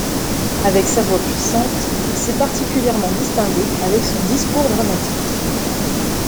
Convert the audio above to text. Avec sa voix puissante, il s'est particulièrement distingué avec son discours dramatique.